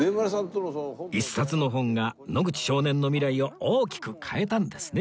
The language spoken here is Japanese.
一冊の本が野口少年の未来を大きく変えたんですね